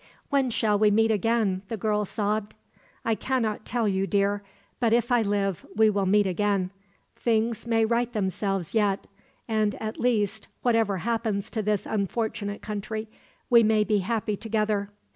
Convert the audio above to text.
"When shall we meet again?" the girl sobbed. "I cannot tell you, dear; but if I live, we will meet again. Things may right themselves, yet; and at least, whatever happens to this unfortunate country, we may be happy together.